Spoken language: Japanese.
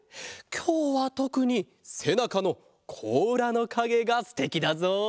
きょうはとくにせなかのこうらのかげがすてきだぞ。